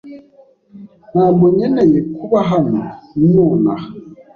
Ntabwo nkeneye kuba hano nonaha.